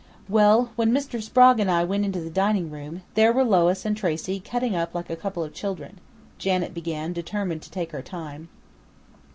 "Well, when Mr. Sprague and I went into the dining room, there were Lois and Tracey cutting up like a couple of children," Janet began, determined to take her time.